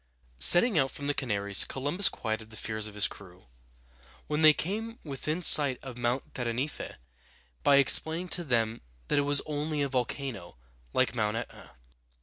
Setting out from the Canaries, Columbus quieted the fears of his crew, when they came within sight of Mount Tenerife, by explaining to them that it was only a volcano, like Mount Et´na.